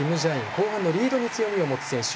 後半のリードに強みを持つ選手。